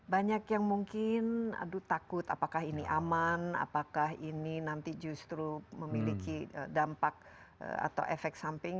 banyak yang mungkin aduh takut apakah ini aman apakah ini nanti justru memiliki dampak atau efek samping